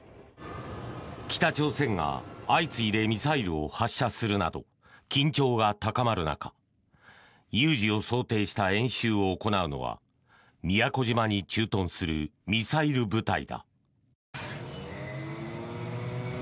北朝鮮が相次いでミサイルを発射するなど緊張が高まる中有事を想定した演習を行うのは宮古島に駐屯するミサイル部隊だ。